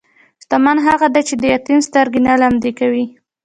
شتمن هغه دی چې د یتیم سترګې نه لمدې کوي.